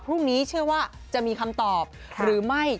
พรุ่งนี้เชื่อว่าจะมีคำตอบหรือไม่